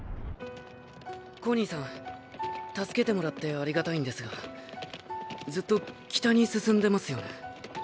コニーさん助けてもらってありがたいんですがずっと北に進んでますよね？